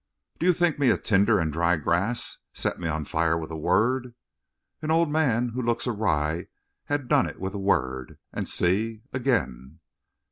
"Do you think me a tinder and dry grass? Set me on fire with a word?" "An old man who looks awry had done it with a word. And see again!"